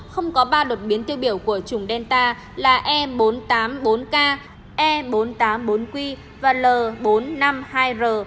không có ba đột biến tiêu biểu của chủng delta là e bốn trăm tám mươi bốn k e bốn nghìn tám trăm bốn q và l bốn trăm năm mươi hai r